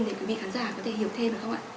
để quý vị khán giả có thể hiểu thêm được không ạ